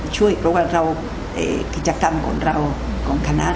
ช่วยพวกเรากิจกรรมของเรากองคณะ